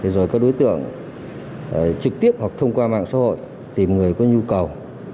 rồi các đối tượng trực tiếp hoặc thông qua mạng xã hội tìm người có nhu cầu